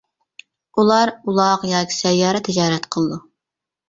ئۇلار ئۇلاغ ياكى سەييارە تىجارەت قىلىدۇ.